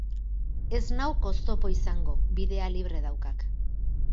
Ez nauk oztopo izango, bidea libre daukak.